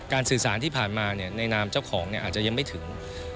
สื่อสารที่ผ่านมาในนามเจ้าของอาจจะยังไม่ถึง